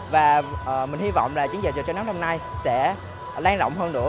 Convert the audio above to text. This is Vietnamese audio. và mình hy vọng là chiến dịch giờ trái đất năm nay sẽ lan động hơn nữa